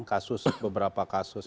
kasus beberapa kasus